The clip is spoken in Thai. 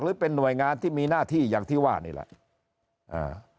หรือเป็นหน่วยงานที่มีหน้าที่อย่างที่ว่านี่แหละอ่า